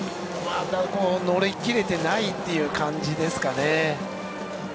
乗り切れてないという感じですかね。